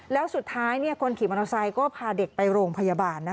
แล้วสุดท้ายคนขี่มอเตอร์ไซค์ก็พาเด็กไปโรงพยาบาล